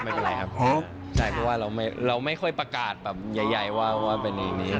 เพราะว่าเราไม่ค่อยประกาศแบบใหญ่ว่าเป็นอย่างนี้